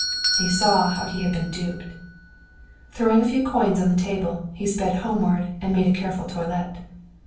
He saw how he had been duped. Throwing a few coins on the table, he sped homeward and made a careful toilet.